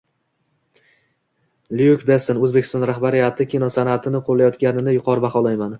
Lyuk Besson: "O‘zbekiston rahbariyati kino san’atini qo‘llayotganini yuqori baholayman"